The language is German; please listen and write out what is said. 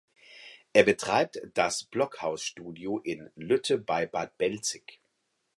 Er betreibt das Blockhausstudio in Lütte bei Bad Belzig.